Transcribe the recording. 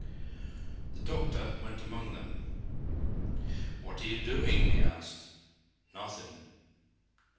The "doctor" went among them. "What are you doing?" he asked. "Nawthin'."